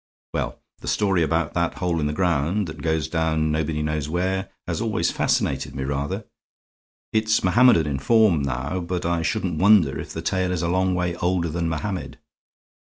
Well, the story about that hole in the ground, that goes down nobody knows where, has always fascinated me, rather. It's Mohammedan in form now, but I shouldn't wonder if the tale is a long way older than Mohammed.